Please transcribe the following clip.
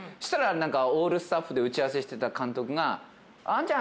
オールスタッフで打ち合わせしてた監督が。